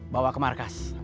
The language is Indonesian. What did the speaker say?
bawa ke markas